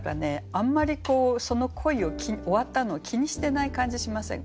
あんまりその恋を終わったのを気にしてない感じしませんか？